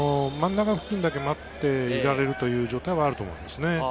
真ん中付近だけ待っていられるという状態はあると思いますね。